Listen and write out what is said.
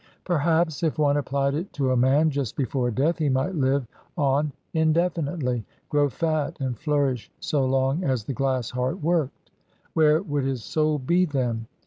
Perhaps if one applied it to a man just before death he might live on indefinitely, grow fat and flourish so long as the glass heart worked. Where would his soul be then?